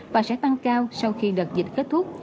và sẽ tăng cao sau khi đợt dịch kết thúc